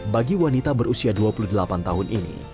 bagi wanita berusia dua puluh delapan tahun ini